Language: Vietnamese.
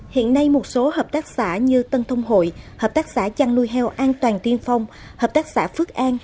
hiện nay một số hợp tác xã như tân thông hội hợp tác xã chăn nuôi heo an toàn tiên phong hợp tác xã phước an